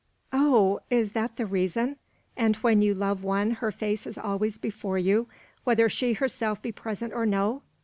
"Oh! is that the reason? And when you love one, her face is always before you, whether she herself be present or no?